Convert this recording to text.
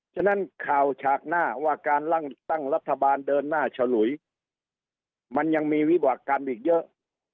ฉะนั้นข่าวฉากหน้าว่าการตั้งรัฐบาลเดินหน้าฉลุยมันยังมีวิบากรรมอีกเยอะ